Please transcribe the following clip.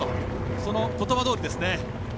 そのことばどおりですね。